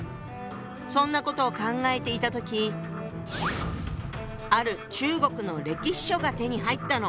そんなことを考えていた時ある中国の歴史書が手に入ったの。